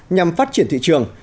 nhằm phát triển thị trường